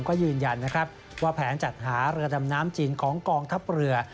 ก็ยืนยันนะครับว่าแผนจัดหาเรือดำน้ำจีนของกองทัพเรือ